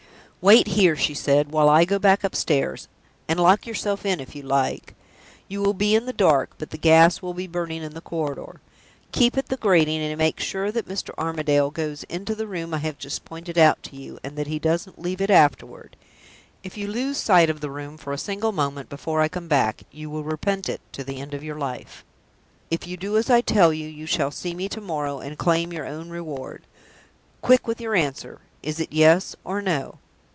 "Wait here," she said, "while I go back upstairs; and lock yourself in, if you like. You will be in the dark, but the gas will be burning in the corridor. Keep at the grating, and make sure that Mr. Armadale goes into the room I have just pointed out to you, and that he doesn't leave it afterward. If you lose sight of the room for a single moment before I come back, you will repent it to the end of your life. If you do as I tell you, you shall see me to morrow, and claim your own reward. Quick with your answer! Is it Yes or No?"